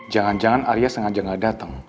jangan jangan arya sengaja gak datang